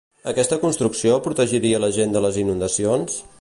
Aquesta construcció protegiria la gent de les inundacions?